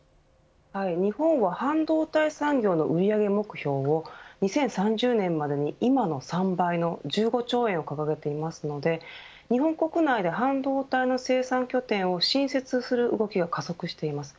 日本は半導体産業の売上目標を２０３０年までに今の３倍の１５兆円を掲げていますので日本国内で半導体の生産拠点を新設する動きが加速しています。